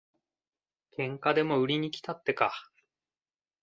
喧嘩でも売りにきたってか。